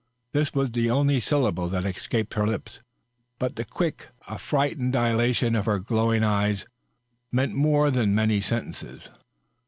This was the only syllable that escaped her lips, but the quick, affrighted dilation of her glowing eyes meant more than many sentences.